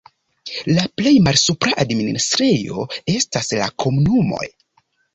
La plej malsupra administrejo estas la komunumoj.